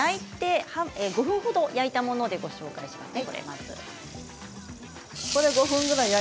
５分ほど焼いたものでご紹介します。